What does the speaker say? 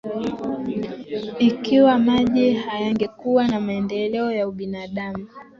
Ikiwa maji hayangekuwa na maendeleo ya ubinadamu